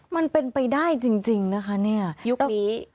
มันเป็นไปได้จริงนะคะเนี่ยยุคนี้